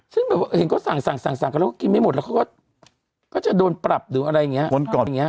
ซึ่งเห็นก็สั่งกันแล้วก็กินไม่หมดแล้วก็ก็จะโดนปรับหรืออะไรอย่างเงี้ย